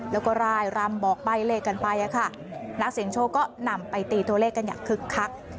แล้วก็ร่ายรำบอกใบเลขกันไปค่ะนักเสียงโชคก็นำไปตีตัวเลขกันอย่างคึกคัก